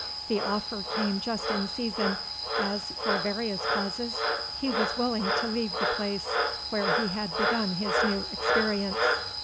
The offer came just in season, as, for various causes, he was willing to leave the place where he had begun his new experience.